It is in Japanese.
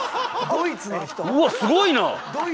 うわすごいな！